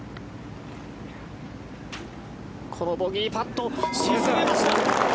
このボギーパットを沈めました。